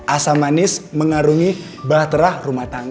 asam manis mengarungi bahtera rumah tangga